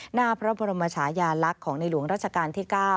หน้าพระพระมรมฉายาลักษมณ์ของนายหลวงราชการที่๙